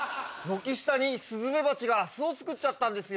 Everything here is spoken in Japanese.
軒下にスズメバチが巣を作っちゃったんですよ。